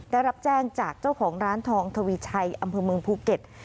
ได้รับแจ้งจากเจ้าของร้านทองทวีชัยอำเภอเมืองภูเก็ต